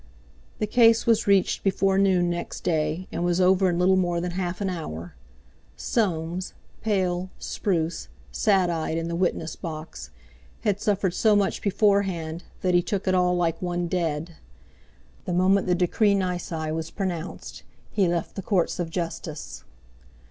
The case was reached before noon next day, and was over in little more than half an hour. Soames—pale, spruce, sad eyed in the witness box—had suffered so much beforehand that he took it all like one dead. The moment the decree nisi was pronounced he left the Courts of Justice.